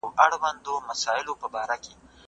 د کندهار کاریزونه څنګه ایستل کيږي؟